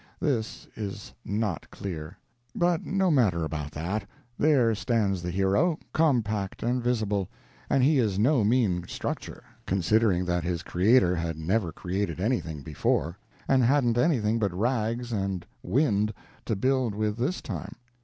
This is not clear. But no matter about that: there stands the hero, compact and visible; and he is no mean structure, considering that his creator had never created anything before, and hadn't anything but rags and wind to build with this time.